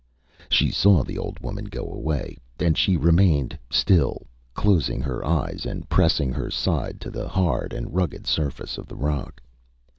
She saw the old woman go away, and she remained still, closing her eyes and pressing her side to the hard and rugged surface of the rock.